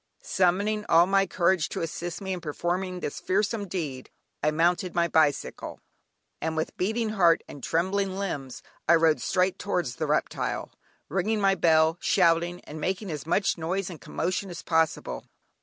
Summoning all my courage to assist me in performing this fearsome deed, I mounted my bicycle, and with beating heart and trembling limbs, I rode straight towards the reptile, ringing my bell, shouting, and making as much noise and commotion as possible.